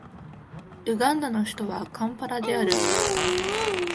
ウガンダの首都はカンパラである